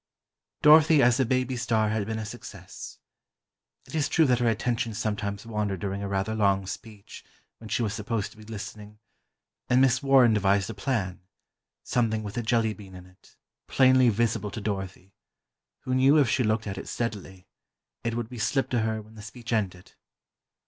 Dorothy as a "baby star" had been a success. It is true that her attention sometimes wandered during a rather long speech, when she was supposed to be listening, and Miss Warren devised a plan, something with a jelly bean in it, plainly visible to Dorothy, who knew if she looked at it steadily, it would be slipped to her when the speech ended.